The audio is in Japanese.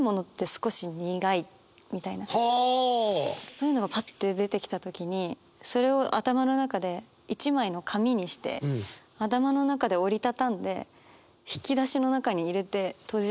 そういうのがパッて出てきた時にそれを頭の中で一枚の紙にして頭の中で折り畳んで引き出しの中に入れて閉じるんですけど。